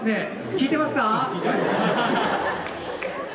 聞いてますか？